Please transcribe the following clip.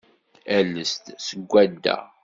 Ales-d seg swadda.